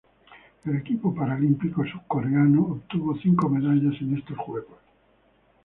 El equipo paralímpico surcoreano obtuvo cinco medallas en estos Juegos.